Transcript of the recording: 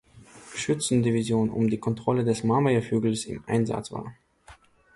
Schützen-Division um die Kontrolle des Mamajew-Hügels im Einsatz war.